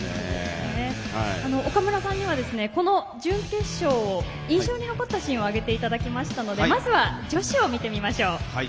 岡村さんにはこの準決勝で印象に残ったシーンを挙げていただきましたのでまず、女子を見てみましょう。